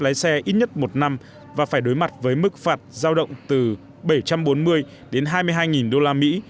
lái xe ít nhất một năm và phải đối mặt với mức phạt giao động từ bảy trăm bốn mươi đến hai mươi hai đô la mỹ